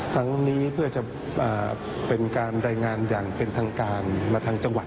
ทั้งนี้เพื่อจะเป็นการรายงานอย่างเป็นทางการมาทางจังหวัด